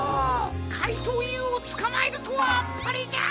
かいとうＵをつかまえるとはあっぱれじゃ！